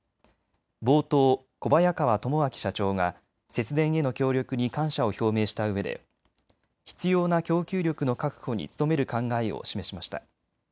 冒頭、小早川智明社長が節電への協力に感謝を表明したうえで必要な供給力の確保に努める考えを示しました。